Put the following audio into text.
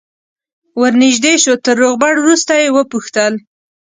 ور نژدې شو تر روغبړ وروسته یې وپوښتل.